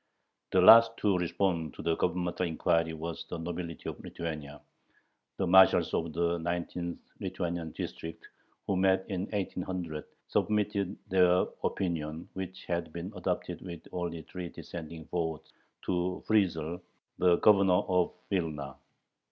The last to respond to the Governmental inquiry was the nobility of Lithuania. The marshals of the nineteen Lithuanian districts, who met in 1800, submitted their "opinion," which had been adopted with only three dissenting votes, to Friesel, the Governor of Vilna.